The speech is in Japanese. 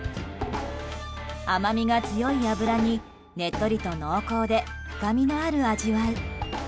甘みが強い脂にねっとりと濃厚で深みのある味わい。